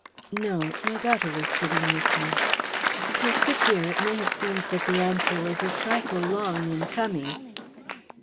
"No. My daughter was sitting with me." To a quick ear it may have seemed that the answer was a trifle long in coming.